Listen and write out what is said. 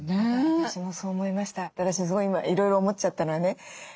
私すごいいろいろ思っちゃったのはね